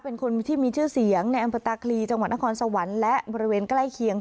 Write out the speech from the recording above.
เป็นคนที่มีชื่อเสียงในอำเภอตาคลีจังหวัดนครสวรรค์และบริเวณใกล้เคียง